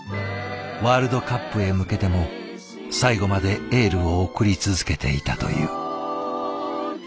ワールドカップへ向けても最後までエールを送り続けていたという。